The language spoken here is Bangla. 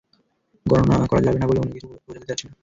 গণনা করা যাবে না বলে অন্যকিছু বোঝাতে চাচ্ছি না।